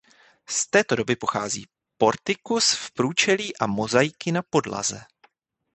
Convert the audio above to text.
Z této doby pochází portikus v průčelí a mozaiky na podlaze.